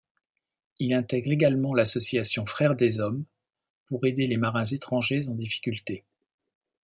Il intègre également l'association Frères des Hommes, pour aider les marins étrangers en difficulté.